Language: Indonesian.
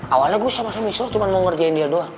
awalnya gue sama mishlo cuma mau ngerjain dia doang